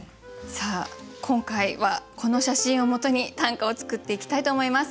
さあ今回はこの写真をもとに短歌を作っていきたいと思います。